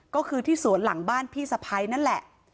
ก็คือที่สวนหลังบ้านพี่สะพ้ายนั่นแหละ